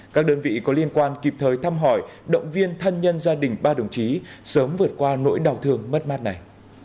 các đơn vị có liên quan kịp thời thăm hỏi động viên thân nhân gia đình ba đồng chí sớm vượt qua nỗi đau thương mất mát này